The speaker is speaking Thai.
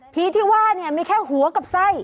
ที่ว่าเนี่ยมีแค่หัวกับไส้